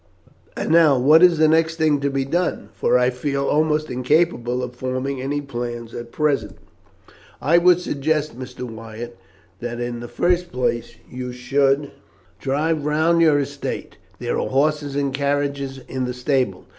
And now what is the next thing to be done, for I feel almost incapable of forming any plans at present?" "I would suggest, Mr. Wyatt, that in the first place you should drive round your estate. There are horses and carriages in the stable.